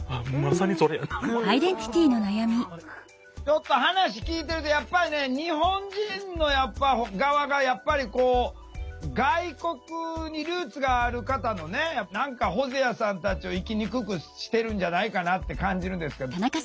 ちょっと話聞いてると日本人の側がやっぱりこう外国にルーツがある方のね何かホゼアさんたちを生きにくくしてるんじゃないかなって感じるんですけど。